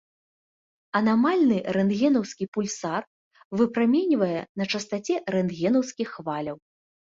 Анамальны рэнтгенаўскі пульсар выпраменьвае на частаце рэнтгенаўскіх хваляў.